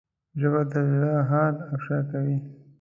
ژبه د زړه حال افشا کوي